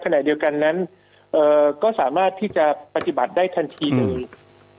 ขณะเดียวกันนั้นก็สามารถที่จะปฏิบัติได้ทันทีเลย